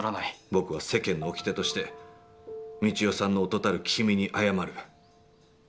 「僕は世間の掟として、三千代さんの夫たる君にあやまる。